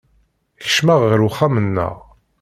Kecmeɣ ɣer uxxam-nneɣ.